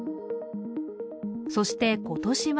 そして今年は？